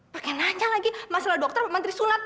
pake nanya lagi masalah dokter atau menteri sunat